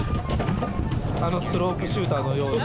あのスロープシューターのように。